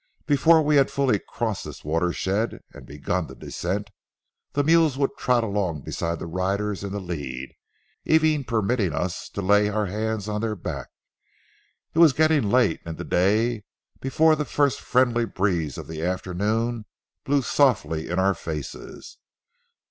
Before we had fully crossed this watershed and begun the descent, the mules would trot along beside the riders in the lead, even permitting us to lay our hands on their backs. It was getting late in the day before the first friendly breeze of the afternoon blew softly in our faces.